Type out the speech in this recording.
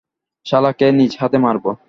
শালাকে নিজহাতে মারবো।